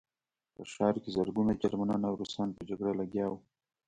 په ښار کې زرګونه جرمنان او روسان په جګړه لګیا وو